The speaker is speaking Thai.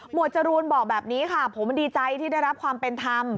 จรูนบอกแบบนี้ค่ะผมดีใจที่ได้รับความเป็นธรรม